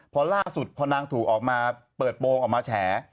พอล่าสุดพอนางถูกออกมาเปิดโปรงออกมาแฉ